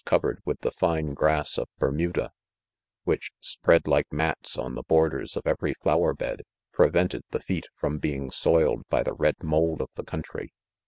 covered with the fine grass of Ber PBOLOGUE* 5 muda, which, spread like mats om the 'borders of every flower bed, prevented the feet from being soiled by the red mould of the country.